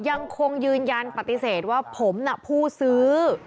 ยังคงยืนยันปฏิเสธว่าผมน่ะผู้ซื้อ